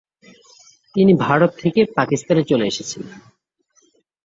তিনি ভারত থেকে পাকিস্তানে চলে এসেছিলেন।